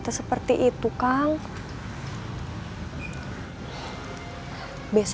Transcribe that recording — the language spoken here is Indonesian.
eha kan sudah biasa mengerjakan kerjaan rumah